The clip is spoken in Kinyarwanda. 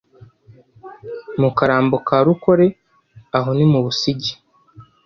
mu karambo ka rukore" (aho ni mu busigi,